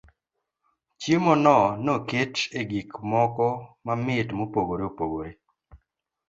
Chiemo no noket e gik moko mamit mopogore opogore.